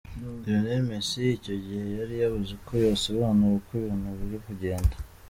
Lionel Messi icyo gihe yari yabuze uko yasobanura uko ibintu biri kugenda.